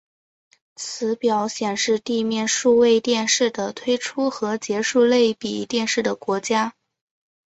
此表显示地面数位电视的推出和结束类比电视的国家。